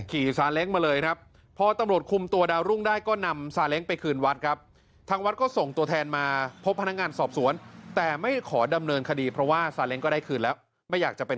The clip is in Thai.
ขี่ซาเล้งมาเลยครับพอตำรวจคุมตัวดาวรุ่งได้ก็นำซาเล้งไปคืนวัดครับ